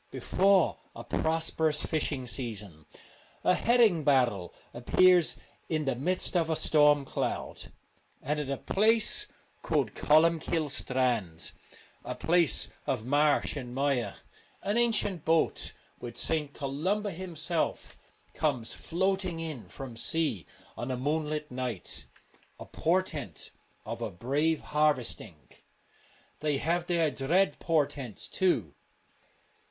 Before a prosperous fishing season a herring barrel appears in the midst of a storm cloud ; and at a place called Colum kille's Strand, a place of marsh and mire, an ancient boat, with St. Columba him self, comes floating in from sea on a moon light night : a portent of a brave harvest ing. They have their dread portents too.